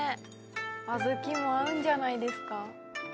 小豆も合うんじゃないですか？